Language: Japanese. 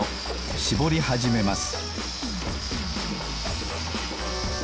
しぼりはじめます